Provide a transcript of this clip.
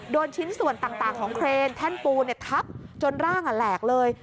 ชิ้นส่วนต่างของเครนแท่นปูนทับจนร่างแหลกเลย